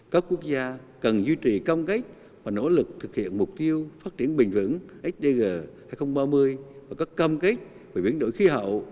các quốc gia cần duy trì công kết và nỗ lực thực hiện mục tiêu phát triển bình vững hdg hai nghìn ba mươi và các cam kết về biển đổi khí hậu